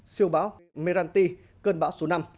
siêu bão meranti cơn bão số năm